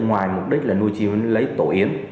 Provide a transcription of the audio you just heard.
ngoài mục đích là nuôi chim lấy tổ yến